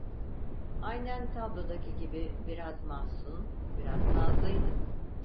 Aynen tablodaki gibi biraz mahzun, biraz nazlıydı.